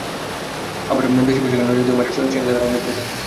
আবার দেশি পোশাকে নজর দেওয়া মানে সেকেলে ধারণা নিয়ে বসে থাকা নয়।